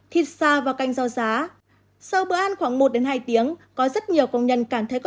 thịt xa và canh do giá sau bữa ăn khoảng một hai tiếng có rất nhiều công nhân cảm thấy có